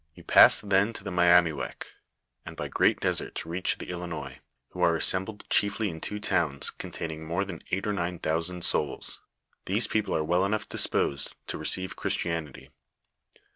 You pass then to the Miamiwek, and by great deserts reach the Ilinois, who are assembled chiefly in two towns, containing more than eight or nine thousand souls. These people are well enough disposed to receive Christianity.